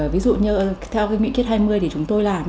ví dụ như theo cái nguyễn kiết hai mươi thì chúng tôi làm